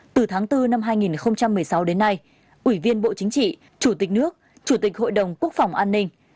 từ tháng bốn năm hai nghìn một mươi sáu đến nay ủy viên bộ chính trị chủ tịch nước chủ tịch hội đồng quốc phòng an ninh